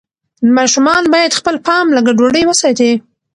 ماشومان باید خپل پام له ګډوډۍ وساتي.